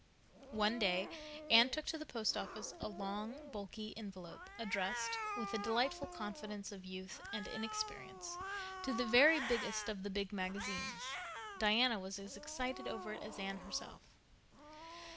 One day Anne took to the Post Office a long, bulky envelope, addressed, with the delightful confidence of youth and inexperience, to the very biggest of the "big" magazines. Diana was as excited over it as Anne herself.